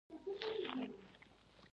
غیرتمند د رښتینولۍ ملاتړی وي